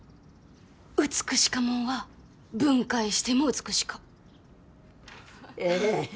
美しかもんは分解しても美しかええーっ